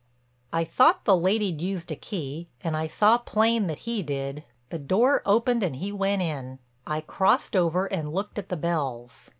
"I thought the lady'd used a key, and I saw plain that he did. The door opened and he went in. I crossed over and looked at the bells.